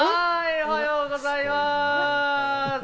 おはようございます！